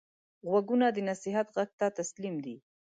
غوږونه د نصیحت غږ ته تسلیم دي